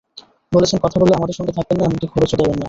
বলেছেন, কথা বললে আমাদের সঙ্গে থাকবেন না, এমনকি খরচও দেবেন না।